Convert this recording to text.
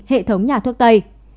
hệ thống nhà thuốc tây